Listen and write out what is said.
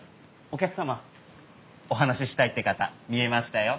お話したいって方見えましたよ。